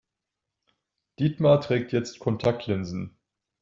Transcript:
Dietmar trägt jetzt Kontaktlinsen.